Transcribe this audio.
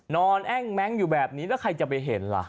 แอ้งแม้งอยู่แบบนี้แล้วใครจะไปเห็นล่ะ